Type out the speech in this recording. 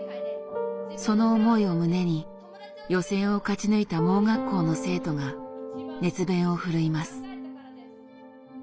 その思いを胸に予選を勝ち抜いた盲学校の生徒が熱弁を振るいます。